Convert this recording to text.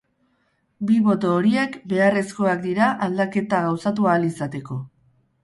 Bi boto horiek beharrezkoak dira aldaketa gauzatu ahal izateko.